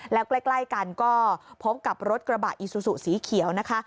แล้วใกล้กันก็พบกับรถกระบะอิซูซูสีเขียวนะคะ